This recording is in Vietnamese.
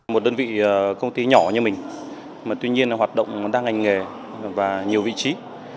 một đơn vị công ty nhỏ như mình tuy nhiên hoạt động đang ngành nghề và nhiều vị trí